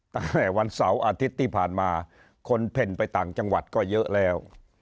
ตั้งแต่วันเสาร์อาทิตย์ที่ผ่านมาคนเพ่นไปต่างจังหวัดก็เยอะแล้ว